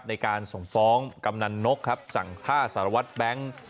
ในการส่งฟ้องกำนันนกครับสั่งฆ่าสารวัตรแบงค์